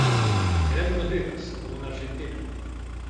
¡Querémonos vivas, como en Arxentina!